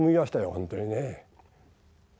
本当にね。